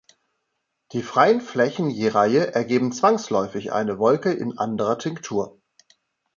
Die freien Flächen je Reihe ergeben zwangsläufig eine Wolke in anderer Tinktur.